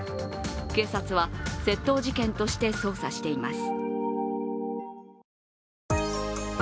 警察は窃盗事件として捜査しています。